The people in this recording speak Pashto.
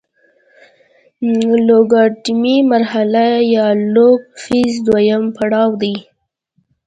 لوګارتمي مرحله یا لوګ فیز دویم پړاو دی.